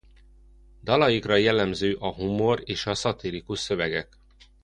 Dalaikra jellemző a humor és a szatirikus szövegek.